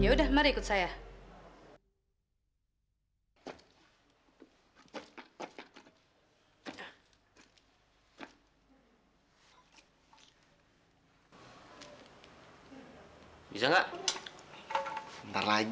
yaudah yaudah nih nih nih